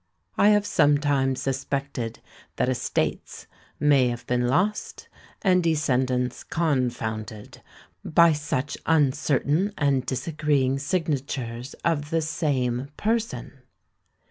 I have sometimes suspected that estates may have been lost, and descents confounded, by such uncertain and disagreeing signatures of the same person.